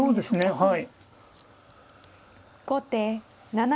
はい。